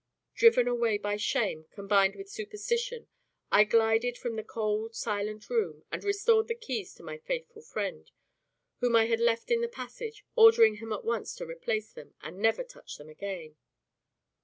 Driven away by shame combined with superstition, I glided from the cold silent room, and restored the keys to my faithful friend, whom I had left in the passage, ordering him at once to replace them, and never touch them again.